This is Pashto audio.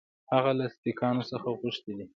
هغه له سیکهانو څخه غوښتي دي.